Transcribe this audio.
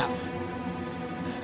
sampai mama haji diserang